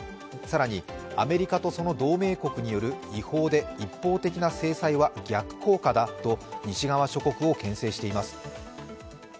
更に、アメリカとその同盟国による違法で一方的な制裁は逆効果だと、西側諸国をけん制しています。